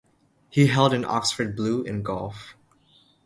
He held an Oxford Blue in golf.